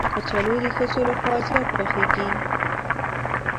کچالو د ښځو لخوا زیات پخېږي